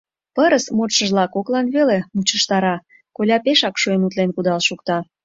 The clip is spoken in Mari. Пырыс, модшыжла, коклан веле мучыштара, коля пешак шуэн утлен кудал шукта.